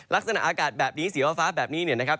ลักษณะอากาศแบบนี้สีฟ้าแบบนี้เนี่ยนะครับ